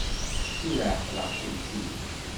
Tura ɛeqleɣ-kent-id.